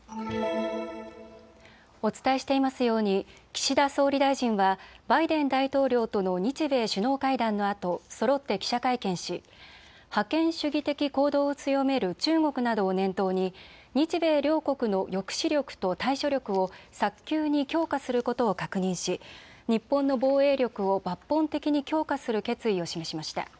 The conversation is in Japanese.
お伝えしていますように岸田総理大臣はバイデン大統領との日米首脳会談のあとそろって記者会見し覇権主義的行動を強める中国などを念頭に日米両国の抑止力と対処力を早急に強化することを確認し、日本の防衛力を抜本的に強化する決意を示しました。